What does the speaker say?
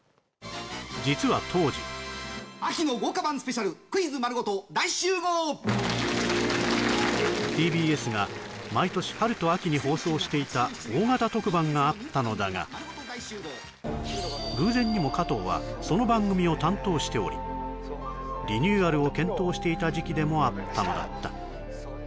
実は当時ＴＢＳが毎年春と秋に放送していた大型特番があったのだが偶然にも加藤はその番組を担当しておりリニューアルを検討していた時期でもあったのだった